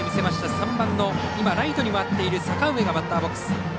３番、今ライトに回っている阪上がバッターボックス。